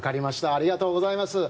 ありがとうございます。